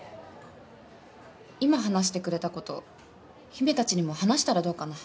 今話してくれたこと姫たちにも話したらどうかな？